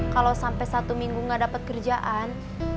kalau sampai satu minggu gak dapat kerjaan